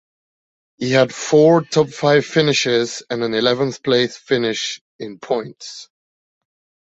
He had four top five finishes and an eleventh-place finish in points.